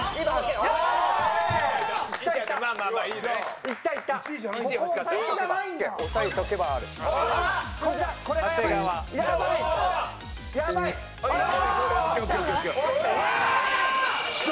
よっしゃ！